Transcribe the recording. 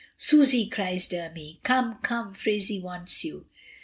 "Susy," cries Dermy, "come! come! Phraisie wants you!"